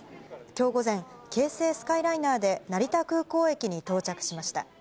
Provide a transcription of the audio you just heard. きょう午前、京成スカイライナーで成田空港駅に到着しました。